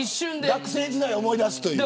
学生時代を思い出すという。